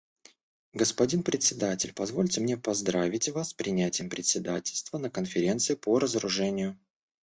Господин Председатель, позвольте мне поздравить вас с принятием председательства на Конференции по разоружению.